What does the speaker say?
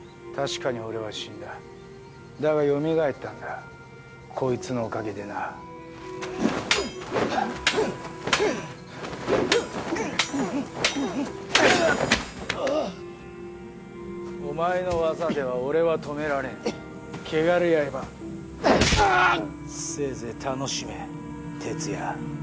確かに俺は死んだだがよみがえったんこいつのおかげでなお前の技では俺は止められんアァーッ！